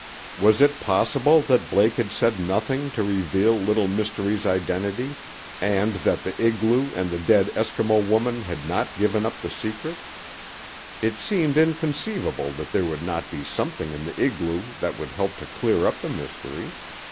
Was it possible that Blake had said nothing to reveal Little Mystery's identity, and that the igloo and the dead Eskimo woman had not given up the secret? It seemed inconceivable that there would not be something in the igloo that would help to clear up the mystery.